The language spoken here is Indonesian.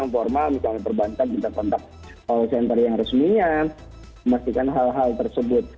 formal misalnya perbantuan kita kontak kalau senter yang resminya memastikan hal hal tersebut